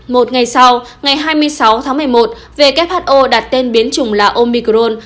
một ngày sau ngày hai mươi sáu tháng một mươi một who đặt tên biến trùng là omicron